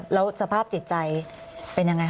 แล้วสภาพจิตใจเป็นยังไงค